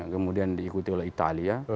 kemudian diikuti oleh italia